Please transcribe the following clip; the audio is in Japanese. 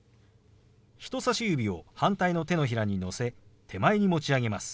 人さし指を反対の手のひらにのせ手前に持ち上げます。